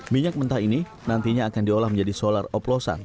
minyak mentah ini nantinya akan diolah menjadi solar oplosan